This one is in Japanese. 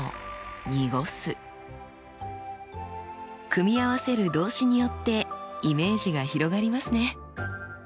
組み合わせる動詞によってイメージが広がりますね。